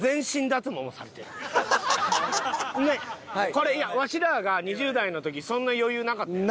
これいやワシらが２０代の時そんな余裕なかったやろ。